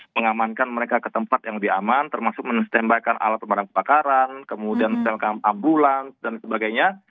mengamankan mereka ke tempat yang lebih aman termasuk menestembakan alat pemadam kebakaran kemudian selkam ambulans dan sebagainya